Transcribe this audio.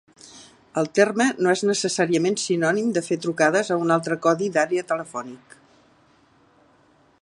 El terme no és necessàriament sinònim de fer trucades a un altre codi d'àrea telefònic.